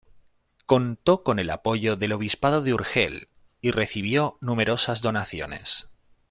Contó con el apoyo del obispado de Urgel y recibió numerosas donaciones.